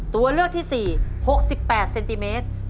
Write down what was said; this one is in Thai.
ตัวเลือกที่๔๖๘เซนติเมตร